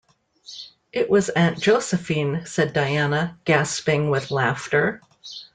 “It was Aunt Josephine,” said Diana, gasping with laughter.